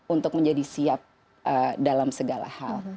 untuk menjadi siap dalam segala hal